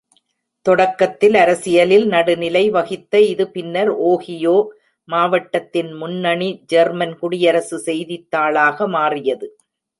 தொடக்கத்தில் அரசியலில் நடுநிலை வகித்த இது பின்னர் ஓஹியோ மாவட்டத்தின் முன்னணி ஜெர்மன் குடியரசு செய்தித்தாளாக மாறியது.